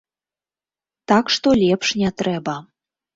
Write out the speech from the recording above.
Так што лепш не трэба.